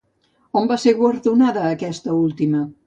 On va ser guardonada aquesta última?